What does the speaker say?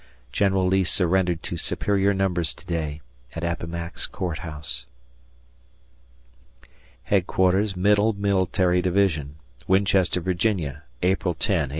General Lee surrendered to superior numbers to day at Appomattox Court House. Headquarters Middle Military Division, Winchester, Va., April 10, 1865.